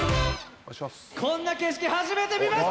こんな景色、初めて見ました。